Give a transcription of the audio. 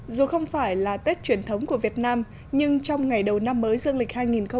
dù không phải là tết truyền thống của việt nam nhưng trong ngày đầu năm mới dương lịch hai nghìn hai mươi